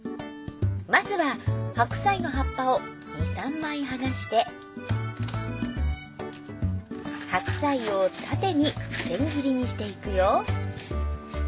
まずは白菜の葉っぱを２３枚はがして白菜を縦に千切りにしていくよ。